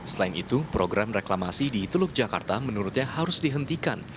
selain itu program reklamasi di teluk jakarta menurutnya harus dihentikan